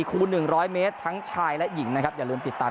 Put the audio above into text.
คูณ๑๐๐เมตรทั้งชายและหญิงนะครับอย่าลืมติดตาม